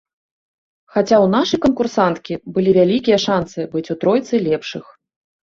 Хаця ў нашай канкурсанткі былі вялікія шанцы быць у тройцы лепшых.